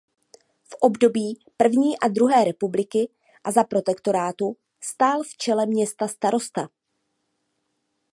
V období první a druhé republiky a za protektorátu stál v čele města starosta.